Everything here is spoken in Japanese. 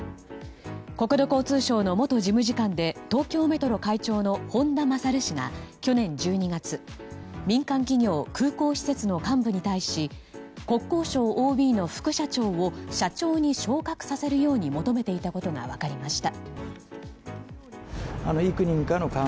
国土交通省の元事務次官で東京メトロ会長の本田勝氏が去年１２月、民間企業空港施設の幹部に対し国交省ＯＢの副社長を社長に昇格させるように求めていたことが分かりました。